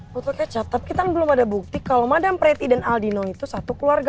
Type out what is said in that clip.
foto kecap tapi kan belum ada bukti kalau madam pretti dan aldino itu satu keluarga